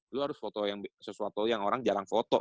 lu harus foto yang sesuatu yang orang jarang foto